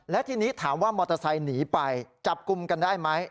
และทีนี้ถามว่ามอเตอร์ไซค์หนีไปจับกลุ่มกันได้ไหม